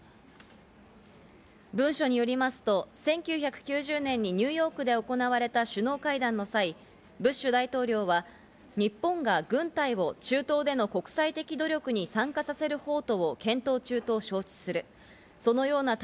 文書によりますと、１９９０年にニューヨークで行われた首脳会談の際、ブッシュ大統領は日本が軍隊を中東での国際的努力に参加させる方途を検討中と承知する。